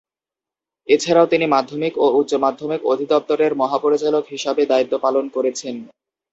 এছাড়াও তিনি মাধ্যমিক ও উচ্চ মাধ্যমিক অধিদপ্তরের মহা পরিচালক হিসাবে দায়িত্ব পালন করেছেন।